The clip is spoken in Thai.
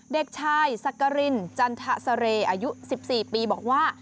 เด็กชายสักกรินจันทะเสรย์อายุ๑๔ปีบอกว่า